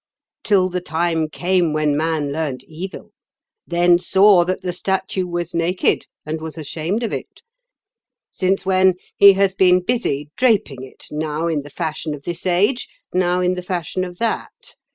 Till the time came when man learnt evil; then saw that the statue was naked, and was ashamed of it. Since when he has been busy, draping it, now in the fashion of this age, now in the fashion of that.